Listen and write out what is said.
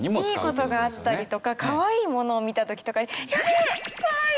いい事があったりとかかわいいものを見た時とかに「やばい！かわいい！」